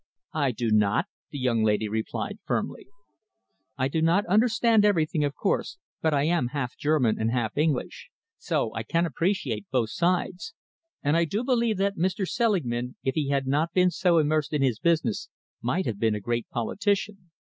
"I do not," the young lady replied firmly. "I do not understand everything, of course, but I am half German and half English, so I can appreciate both sides, and I do believe that Mr. Selingman, if he had not been so immersed in his business, might have been a great politician."